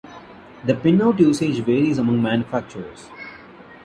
The pinout usage varies among manufacturers.